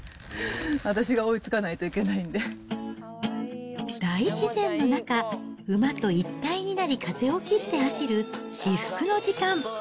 私が追いつかないといけないんで大自然の中、馬と一体になり、風を切って走る至福の時間。